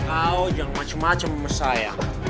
kau yang macam macam masaya